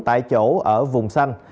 đại chỗ ở vùng xanh